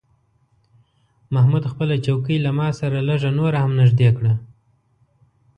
محمود خپله چوکۍ له ما سره لږه نوره هم نږدې کړه.